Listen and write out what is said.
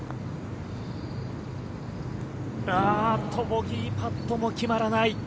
ボギーパットも決まらない。